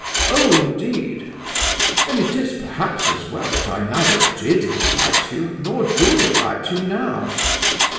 "Oh, indeed! Then it is perhaps as well that I neither did invite you, nor do invite you now.